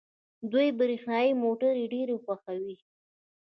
دوی برښنايي موټرې ډېرې خوښوي.